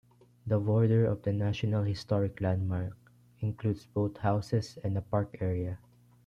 The border of the national historic landmark includes both houses and a park area.